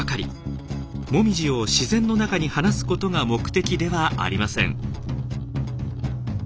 もみじを自然の中に放すことが目的ではありません。